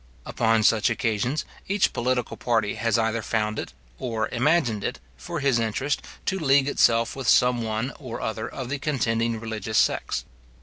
Upon such occasions, each political party has either found it, or imagined it, for his interest, to league itself with some one or other of the contending religious sects.